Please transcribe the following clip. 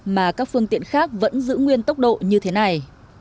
mà các phương tiện khác vẫn giữ nguyên tốc độ như thế này